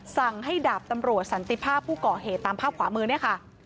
สั่งให้ดาบตำรวจสันติภาพผู้ก่อเหตุตามภาพขวามือเนี่ยค่ะ